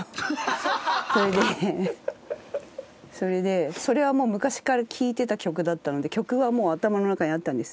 それでそれはもう昔から聴いてた曲だったので曲はもう頭の中にあったんです。